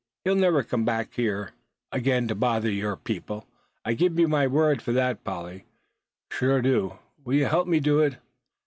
He'll never come back here again to bother your people; I give you my word for that, Polly, sure I do. Will you help me do it?"